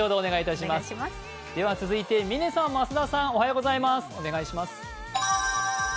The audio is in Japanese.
続いて嶺さん、増田さん、おはようございます。